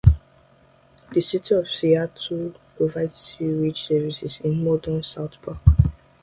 The City of Seattle provides sewage services in modern South Park.